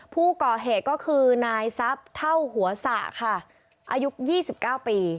ผู้ก่อเหตุก็คือนายทรัพย์เท่าหัวสระค่ะอายุ๒๙ปี